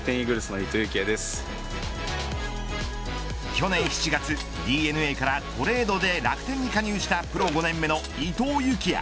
去年７月ＤｅＮＡからトレードで楽天に加入したプロ５年目の伊藤裕季也。